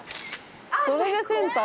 「それでセンターか」